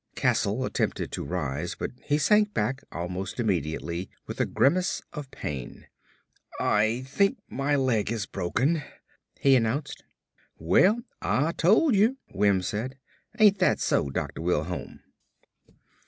Castle attempted to rise but he sank back almost immediately with a grimace of pain. "I think my leg is broken," he announced. "Well Ah tole you," Wims said. "Ain't that so, Dr. Wilholm?"